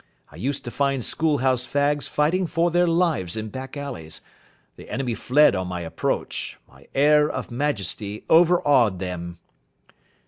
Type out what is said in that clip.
I used to find School House fags fighting for their lives in back alleys. The enemy fled on my approach. My air of majesty overawed them."